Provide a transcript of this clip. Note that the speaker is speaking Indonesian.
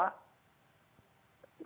rakyat harus berpikir pikir